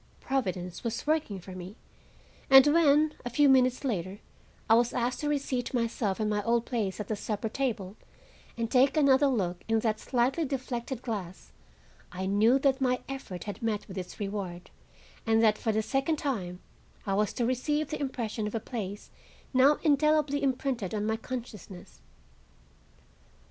Providence was working for me, and when, a few minutes later, I was asked to reseat myself in my old place at the supper table and take another look in that slightly deflected glass, I knew that my effort had met with its reward, and that for the second time I was to receive the impression of a place now indelibly imprinted on my consciousness.